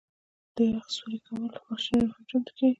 د یخ سوري کولو ماشینونه هم چمتو کیږي